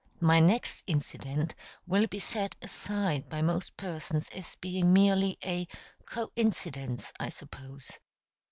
My next incident will be set aside by most persons as being merely a "coincidence," I suppose.